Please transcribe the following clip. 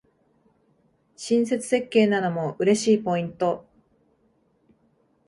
親切設計なのも嬉しいポイント